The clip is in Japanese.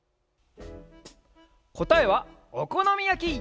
こたえはおこのみやき！